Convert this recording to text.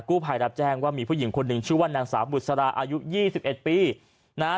ผู้ภัยรับแจ้งว่ามีผู้หญิงคนหนึ่งชื่อว่านางสาวบุษราอายุ๒๑ปีนะฮะ